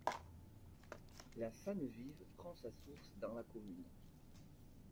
La Sâne Vive prend sa source dans la commune.